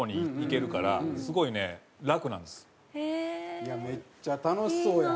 いやめっちゃ楽しそうやん。